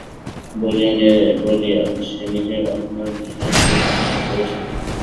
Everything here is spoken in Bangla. বলিয়া সে নিজের অপমানিত শয়নগৃহে আসিয়া প্রবেশ করিল।